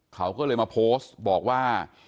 เขาก็เลยมาโพสต์บอกว่า